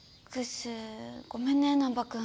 ごめんね難破君。